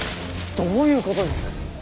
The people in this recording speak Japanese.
どういうことです。